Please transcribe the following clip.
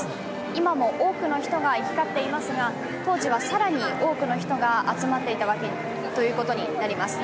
今も多くの人が行き交っていますが、当時は更に多くの人が集まっていたことになります。